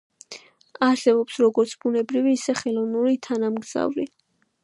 არსებობს როგორც ბუნებრივი, ისე ხელოვნური თანამგზავრი.